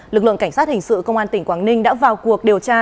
lực lượng cảnh sát hình sự công an tỉnh quảng ninh đã vào cuộc điều tra